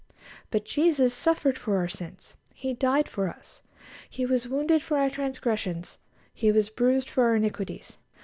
But Jesus suffered for our sins. He died for us. "He was wounded for our transgressions, He was bruised for our iniquities